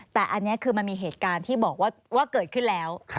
แต่อันนี้คือมันมีเหตุการณ์ที่บอกว่าเกิดขึ้นแล้ว